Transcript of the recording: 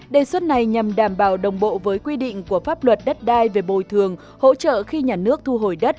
đề xuất này nhằm đảm bảo đồng bộ với quy định của pháp luật đất đai về bồi thường hỗ trợ khi nhà nước thu hồi đất